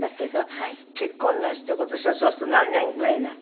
結婚なすって今年はそうすると何年ぐらいになるの？